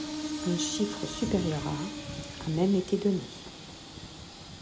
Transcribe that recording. Un chiffre supérieur à a même été donné.